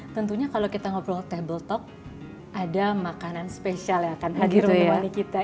tentunya kalau kita ngobrol table talk ada makanan spesial yang akan hadir menemani kita